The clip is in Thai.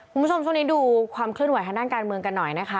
คุณผู้ชมช่วงนี้ดูความเคลื่อนไหทางด้านการเมืองกันหน่อยนะคะ